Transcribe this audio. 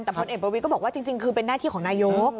แต่พลเอกประวิทย์ก็บอกว่าจริงคือเป็นหน้าที่ของนายก